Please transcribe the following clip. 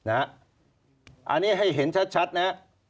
อันนี้ให้เห็นชัดนะ